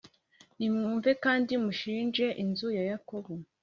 Nimwumve kandi mushinje inzu ya Yakobo: